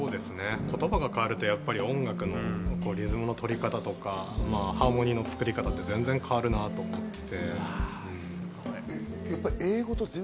言葉が変わると音楽のリズムの取り方とか、ハーモニーの作り方って全然変わるなぁと思ってて。